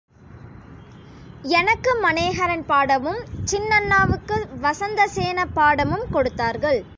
எனக்கு மனேஹரன் பாடமும் சின்னண்ணாவுக்கு வசந்தசேன பாடமும் கொடுத்தார்கள்.